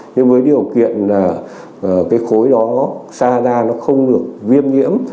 nhưng với điều kiện là cái khối đó xa ra nó không được viêm nhiễm